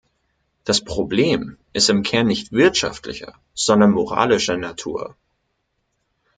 Das Problem ist im Kern nicht wirtschaftlicher, sondern moralischer Natur.